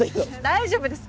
大丈夫です